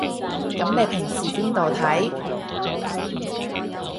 噉你平時邊度睇